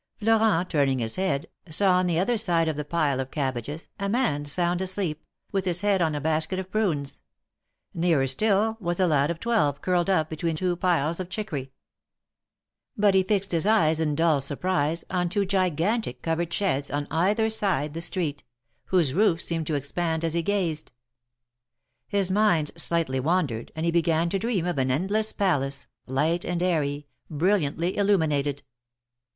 Florent, turning his head, saw on the other side of the pile of cabbages, a man sound asleep, with his head on a basket of prunes ; nearer still was a lad of twelve curled up between two piles of chiccory. But he fixed his eyes in dull surprise on two gigantic covered sheds on either side the street — whose roofs seemed to expand as he gazed. His mind slightly wandered and he began to dream of an endless palace, light and airy, brilliantly illuminated.